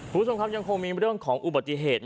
คุณผู้ชมครับยังคงมีเรื่องของอุบัติเหตุ